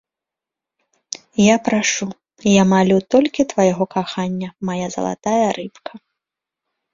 Я прашу, я малю толькі твайго кахання, мая залатая рыбка.